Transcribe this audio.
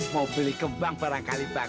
mau beli kembang barangkali